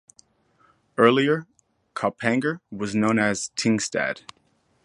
Earlier, Kaupanger was known as Tingstad.